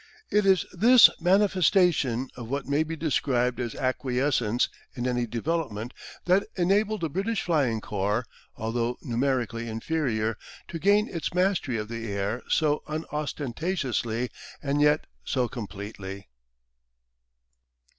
It is this manifestation of what may be described as acquiescence in any development that enabled the British flying corps, although numerically inferior, to gain its mastery of the air so unostentatiously and yet so completely.